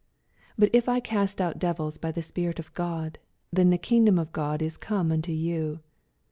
28 But if I cast out devils by the Spirit of God, then the kingdom of Crod is come nnto you.